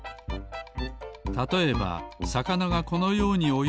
たとえばさかながこのようにおよいでいるばあい